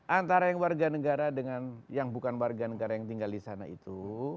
antara yang warga negara dengan yang bukan warga negara yang tinggal di sana itu